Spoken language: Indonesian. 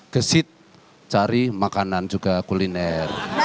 gesit cari makanan juga kuliner